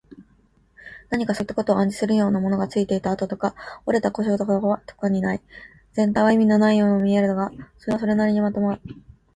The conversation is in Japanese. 何かそういったことを暗示するような、ものがついていた跡とか、折れた個所とかはどこにもない。全体は意味のないように見えるのだが、それはそれなりにまとまっている。